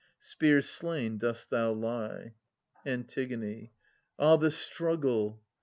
Spear slain dost thou lie. A. Ah, the struggle